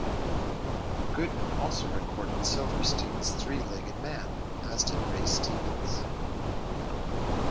Goodman also recorded Silverstein's "Three-Legged Man", as did Ray Stevens.